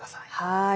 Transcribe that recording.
はい。